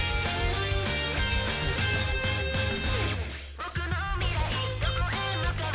僕の未来、どこへ向かう？